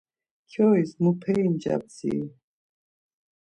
Kyois muperi nca bdziri?